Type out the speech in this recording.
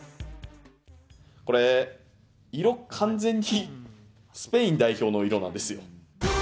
これ、色、完全にスペイン代表の色なんですよ。